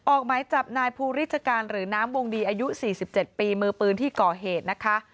ออกหมายจับนายภูริชการหรือน้ำวงดีอายุ๔๗ปีมือปืนที่ก่อเหตุนะคะ